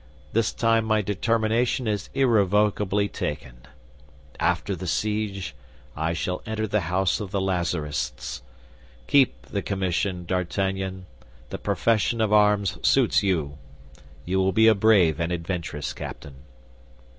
This time my determination is irrevocably taken. After the siege I shall enter the house of the Lazarists. Keep the commission, D'Artagnan; the profession of arms suits you. You will be a brave and adventurous captain."